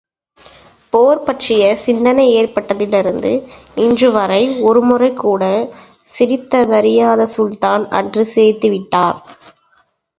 போர் பற்றிய சிந்தனை ஏற்பட்டதிலிருந்து இன்றுவரை ஒருமுறை கூடச் சிரித்தறியாத சுல்தான் அன்று சிரித்துவிட்டார்.